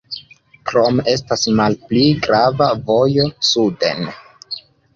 Krome estas malpli grava vojo suden.